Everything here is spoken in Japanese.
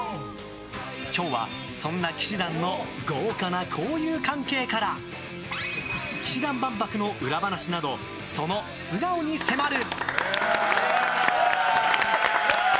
今日は、そんな氣志團の豪華な交友関係から氣志團万博の裏話などその素顔に迫る。